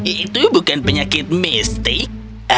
itu bukan penyakit mistik